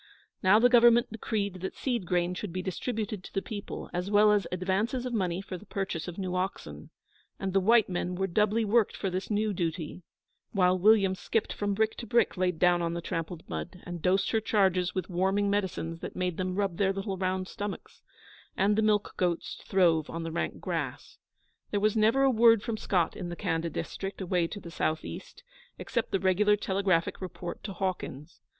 Now the Government decreed that seed grain should be distributed to the people, as well as advances of money for the purchase of new oxen; and the white men were doubly worked for this new duty, while William skipped from brick to brick laid down on the trampled mud, and dosed her charges with warming medicines that made them rub their little round stomachs; and the milch goats throve on the rank grass. There was never a word from Scott in the Khanda district, away to the south east, except the regular telegraphic report to Hawkins.